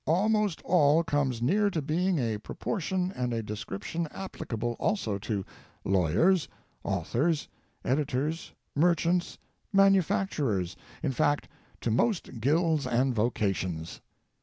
"Almost all" comes near to being a propor tion and a description applicable also to lawyers, authors, editors, merchants, manufacturers — in fact to most guilds and vocations.